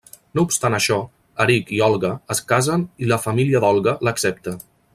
No obstant això, Eric i Olga es casen i la família d'Olga l'accepta.